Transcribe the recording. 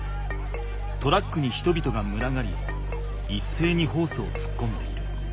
トラックに人々がむらがりいっせいにホースをつっこんでいる。